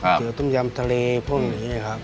ก๋วยเตี๋ยวต้มยำทะเลพวกนี้นะครับ